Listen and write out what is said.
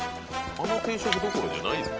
あの定食どころじゃないやん。